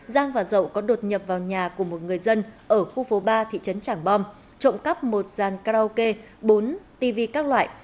giang và dậu có đột nhập vào nhà của một người dân ở khu phố ba thị trấn tràng bom trộm cắp một dàn karaoke bốn tv các loại